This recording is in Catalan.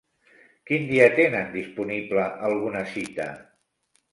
Quin dia tenen disponible alguna cita?